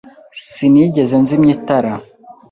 Sinigeze nzimya itara.